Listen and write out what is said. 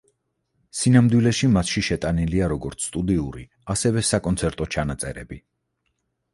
სინამდვილეში მასში შეტანილია როგორც სტუდიური, ასევე საკონცერტო ჩანაწერები.